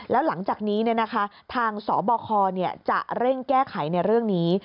แล้วหลังจากนี้ทางสบคจะเร่งแก้ไขในเรื่องนี้